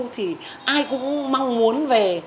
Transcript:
thì ai cũng mong muốn về